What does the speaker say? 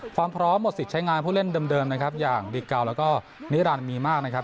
ความพร้อมหมดสิทธิ์ใช้งานผู้เล่นเดิมนะครับอย่างบิเกาแล้วก็นิรันดิมีมากนะครับ